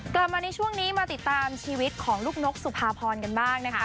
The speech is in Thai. กลับมาในช่วงนี้มาติดตามชีวิตของลูกนกสุภาพรกันบ้างนะคะ